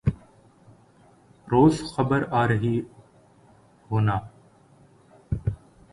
روز خبر آرہی ہونا